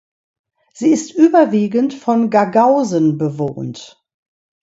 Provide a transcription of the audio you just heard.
Sie ist überwiegend von Gagausen bewohnt.